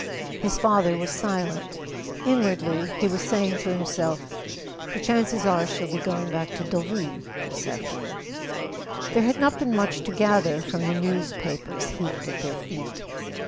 His father was silent. Inwardly he was saying to himself: "The chances are she'll be going back to Deau¬ ville this afternoon." There had not been much to gather from the news¬ papers heaped at their feet.